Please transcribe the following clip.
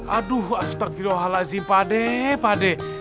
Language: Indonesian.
aduh astagfirullahaladzim pade pade